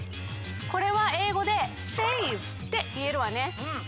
これは英語で「ｆａｖｅ」っていえるわね。